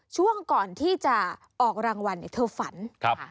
ช่วงก่อนที่จะออกรางวัลเนี่ยเธอฝันครับ